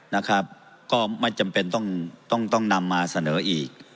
นะครับก็ไม่จำเป็นต้องต้องนำมาเสนออีก